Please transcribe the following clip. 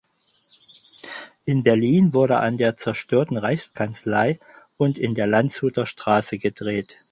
In Berlin wurde an der zerstörten Reichskanzlei und in der Landshuter Straße gedreht.